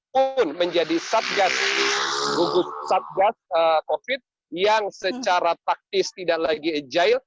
pun menjadi gugus satgas covid yang secara taktis tidak lagi agile